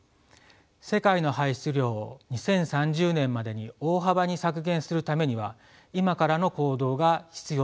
世界の排出量を２０３０年までに大幅に削減するためには今からの行動が必要となります。